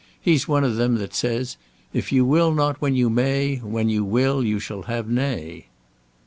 He's one of them that says, 'If you will not when you may, when you will you shall have nay.'"